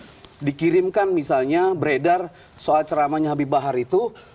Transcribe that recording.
konten konten yang kemudian dikirimkan misalnya beredar soal ceramahnya habib bahar itu